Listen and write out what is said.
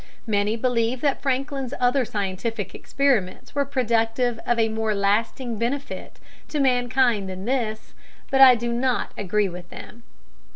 Many believe that Franklin's other scientific experiments were productive of more lasting benefit to mankind than this, but I do not agree with them.